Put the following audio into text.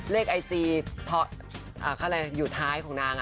ไอจีอยู่ท้ายของนาง